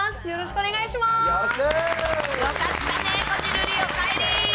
よろしくお願いします。